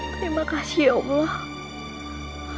terima kasih ya allah